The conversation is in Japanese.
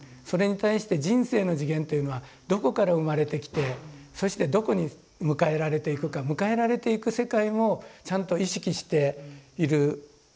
それに対して人生の次元っていうのはどこから生まれてきてそしてどこに迎えられていくか迎えられていく世界もちゃんと意識している。